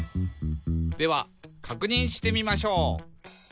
「ではかくにんしてみましょう」